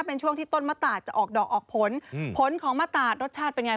เป็นช่วงที่ต้นมะตาดจะออกดอกออกผลผลของมะตาดรสชาติเป็นไง